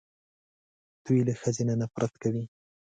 دوی له ښځې نه نفرت کوي